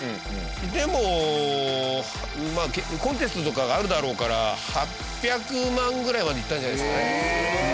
でもコンテストとかがあるだろうから８００万ぐらいまでいったんじゃないですかね。